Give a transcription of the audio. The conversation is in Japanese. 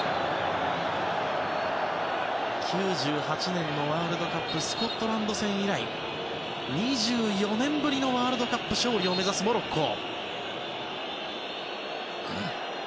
９８年のワールドカップスコットランド戦以来２４年ぶりのワールドカップ勝利を目指すモロッコ。